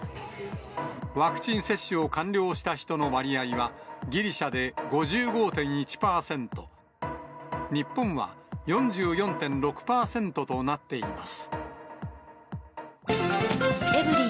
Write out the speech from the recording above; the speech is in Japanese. ワクチン接種を完了した人の割合は、ギリシャで５５．１％、日本は４４．６％となっています。